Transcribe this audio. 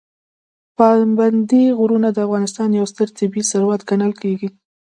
پابندي غرونه د افغانستان یو ستر طبعي ثروت ګڼل کېږي.